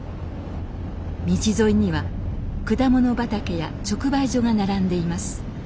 道沿いには果物畑や直売所が並んでいます。